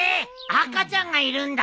赤ちゃんがいるんだ！